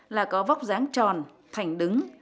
là có vóc dáng tròn thành đứng